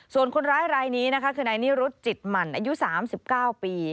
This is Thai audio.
ส่วนคนร้ายรายนี้นะคะคือนายนิรุธจิตหมั่นอายุ๓๙ปี